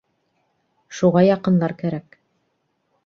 Шуға яҡынлар кәрәк.